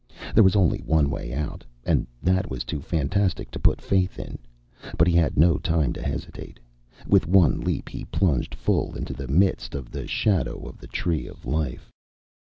There was only one way out, and that was too fantastic to put faith in, but he had no time to hesitate. With one leap he plunged full into the midst of the shadow of the tree of life.